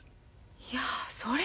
いやそれで。